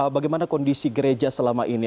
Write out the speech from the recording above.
bagaimana kondisi gereja selama ini